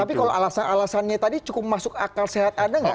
tapi kalau alasannya tadi cukup masuk akal sehat anda nggak